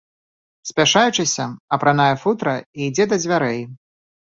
Спяшаючыся, апранае футра і ідзе да дзвярэй.